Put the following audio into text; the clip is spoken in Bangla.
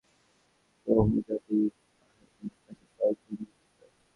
ইকরামা এবং খালিদের ব্যর্থতার পর বহুজাতিক বাহিনীর হতাশা কয়েকগুণ বৃদ্ধি পায়।